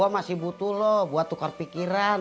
masih butuh lu buat tukar pikiran